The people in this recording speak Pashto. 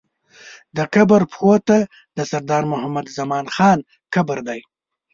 د قبر پښو ته د سردار محمد زمان خان قبر دی.